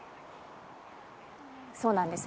そうなんです。